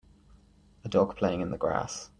A dog playing in the grass.